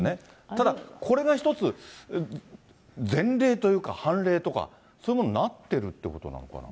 ただ、これが一つ、前例というか、凡例とか、そういうのになってるということなのかな。